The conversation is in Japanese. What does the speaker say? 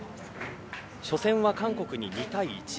初戦は韓国に２対１。